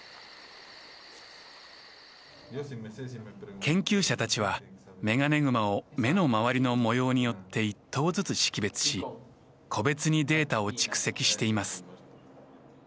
研究者たちはメガネグマを目の周りの模様によって一頭ずつ識別し個別にデータを蓄積しています。